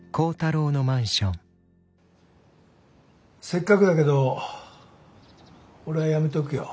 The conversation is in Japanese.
せっかくだけど俺はやめとくよ。